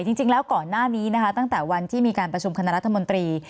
จริงแล้วก่อนหน้านี้นะคะตั้งแต่วันที่มีการประชุมคณะรัฐมนตรี